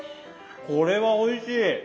これはおいしい。